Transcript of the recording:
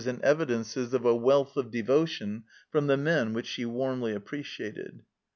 THE END OF 1914 185 and evidences of a wealth of devotion from the men which she warmly appreciated.